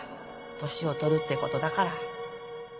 年を取るってことだから